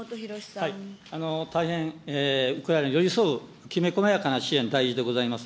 大変ウクライナに寄り添う、きめ細やかな支援、大事でございます。